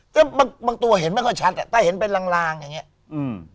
ก็บางบางตัวเห็นไม่ค่อยชัดอ่ะถ้าเห็นเป็นลางลางอย่างเงี้ยอืม